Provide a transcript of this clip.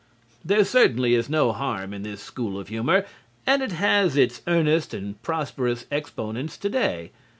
There certainly is no harm in this school of humor, and it has its earnest and prosperous exponents today.